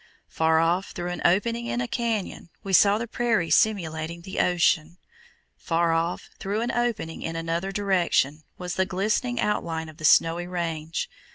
Far off, through an opening in a canyon, we saw the prairie simulating the ocean. Far off, through an opening in another direction, was the glistening outline of the Snowy Range.